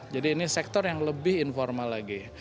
jadi ini sektor yang lebih informal lagi